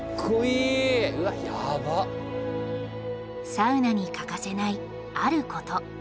サウナに欠かせないあること。